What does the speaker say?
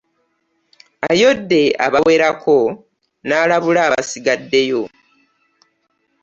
Ayodde abawerako n'alabula abasigaddeyo.